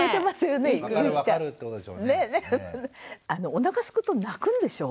おなかすくと泣くんでしょ？